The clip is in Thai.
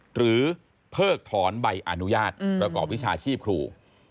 เพิกถอนใบอนุญาตประกอบวิชาชีพครู